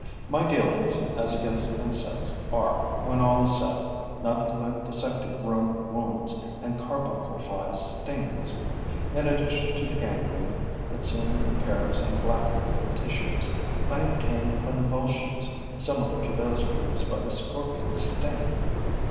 My dealings as against insects are, when all is said, nothing but dissecting room wounds and carbuncle flies' stings. In addition to the gangrene that soon impairs and blackens the tissues, I obtain convulsions similar to those produced by the scorpion's sting.